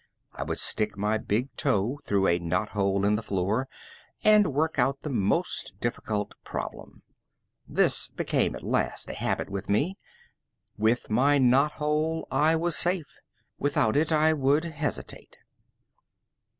I could stick my big toe through a knot hole in the floor and work out the most difficult problem. This became at last a habit with me. With my knot hole I was safe, without it I would hesitate.